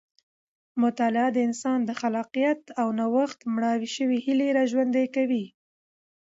مطالعه د انسان د خلاقیت او نوښت مړاوې شوې هیلې راژوندۍ کوي.